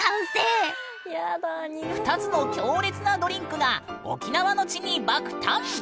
２つの強烈なドリンクが沖縄の地に爆誕！